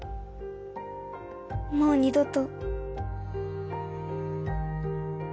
もう二どと。